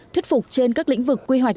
thuyết phục trên các lĩnh vực quy hoạch